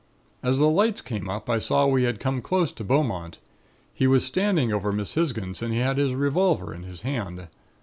"As the lights came up I saw we had come close to Beaumont. He was standing over Miss Hisgins and he had his revolver in his hand.